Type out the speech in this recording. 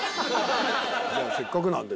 じゃあせっかくなんで。